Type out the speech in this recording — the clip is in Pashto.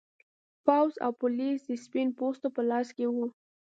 پوځ او پولیس د سپین پوستو په لاس کې و.